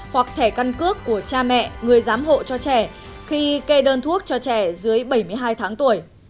hoặc thẻ căn cước của cha mẹ người giám hộ cho trẻ khi kê đơn thuốc cho trẻ dưới bảy mươi hai tháng tuổi